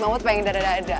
mamut pengen dadah dadah